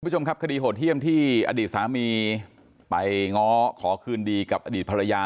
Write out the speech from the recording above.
คุณผู้ชมครับคดีโหดเยี่ยมที่อดีตสามีไปง้อขอคืนดีกับอดีตภรรยา